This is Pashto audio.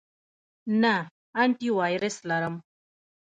نه، انټی وایرس لرم